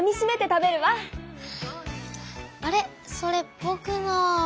あれそれぼくの。